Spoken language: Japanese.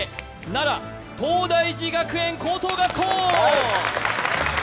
奈良、東大寺学園高等学校！